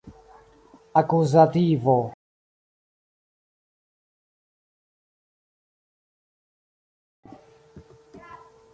akuzativo